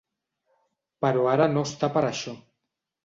Però ara no està per això.